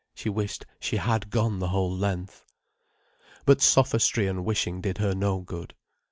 She wished she had gone the whole length. But sophistry and wishing did her no good.